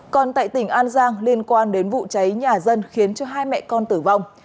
còn tại tỉnh an giang liên quan đến vụ cháy nhà dân khiến cho hai mẹ con tử vong